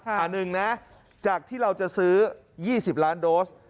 อันหนึ่งนะจากที่เราจะซื้อ๒๐ล้านโดส